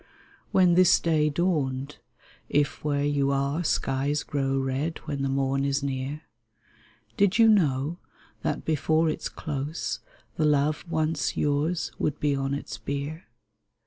When this day dawned (if where you are Skies grow red when the morn is near) Did you know that before its close The love once yours would be on its bier